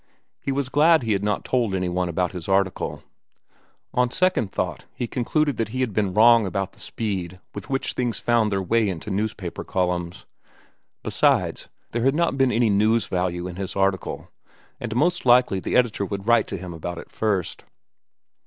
He was glad he had not told any one about his article. On second thought he concluded that he had been wrong about the speed with which things found their way into newspaper columns. Besides, there had not been any news value in his article, and most likely the editor would write to him about it first.